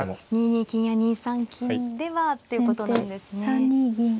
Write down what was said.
２二金や２三金ではっていうことなんですね。